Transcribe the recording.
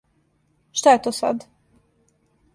Шта је то сад?